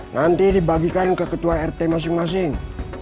nanti dibagikan ke ketua rt masing masing